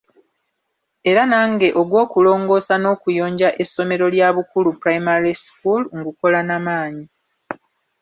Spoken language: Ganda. Era nange ogw’okulongoosa n’okuyonja essomero lya Bukulu primary school ngukola na maanyi.